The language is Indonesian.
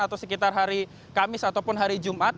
atau sekitar hari kamis ataupun hari jumat